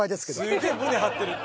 すげぇ胸張ってる。